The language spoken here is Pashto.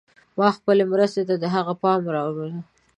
ما خپلې مرستې ته د هغه پام راوڅکاوه.